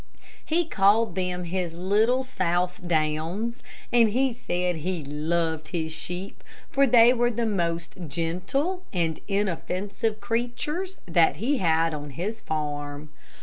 He called them his little Southdowns, and he said he loved his sheep, for they were the most gentle and inoffensive creatures that he had on his farm.